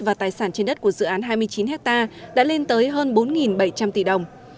và tài sản trên đất của dự án hai mươi chín hectare đã lên tới hơn bốn bảy trăm linh tỷ đồng